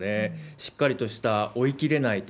しっかりとした追いきれないと。